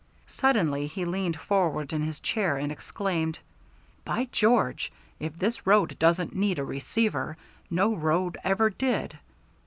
Suddenly he leaned forward in his chair and exclaimed: "By George, if that road doesn't need a receiver, no road ever did.